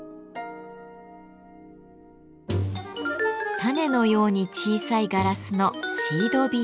種のように小さいガラスの「シードビーズ」。